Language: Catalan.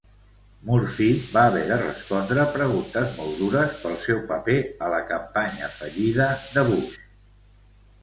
Murphy va haver de respondre preguntes molt dures pel seu paper a la campanya fallida de Bush.